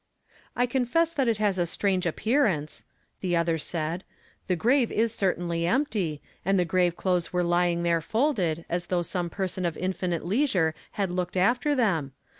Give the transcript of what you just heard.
" I confess that it has a strange appearance," the other said ;" the grave is certainly empty, and tlie grave clothes were lying there folded, as though some person of infinite leisure had looked after them.